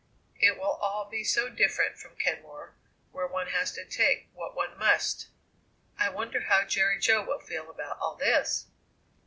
It will all be so different from Kenmore, where one has to take what one must." "I wonder how Jerry Jo will feel about all this?"